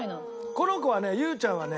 この子はね優ちゃんはね